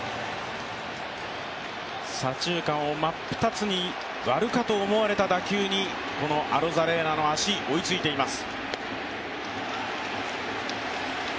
左中間を真っ二つに割るかと思われた打球にこのアロザレーナの足、追いついています。